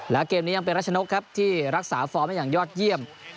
แล้วเกมนี้ยังเป็นรัชนกครับที่รักษาฟอร์มได้อย่างยอดเยี่ยม